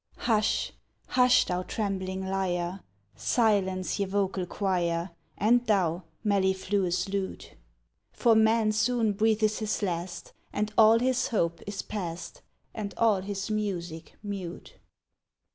Hush! hush! thou trembling lyre, Silence, ye vocal choir, And thou, mellifluous lute, For man soon breathes his last, And all his hope is past, And all his music mute.